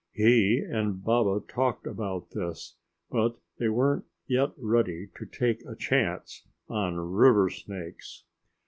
He and Baba talked about this, but they weren't yet ready to take a chance on river snakes.